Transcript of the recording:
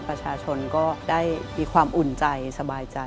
ประชาชนก็ได้มีความอุ่นใจสบายใจ